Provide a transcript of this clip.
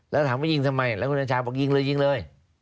แล้วถามว่ายิงทำไมแล้วคุณอัญชาบอกยิงเลยยิงเลย